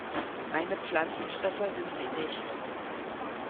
Reine Pflanzenfresser sind sie nicht.